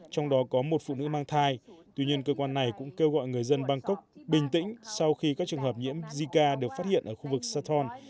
trong đó có một phụ nữ mang thai tuy nhiên cơ quan này cũng kêu gọi người dân bangkok bình tĩnh sau khi các trường hợp nhiễm zika được phát hiện ở khu vực sathon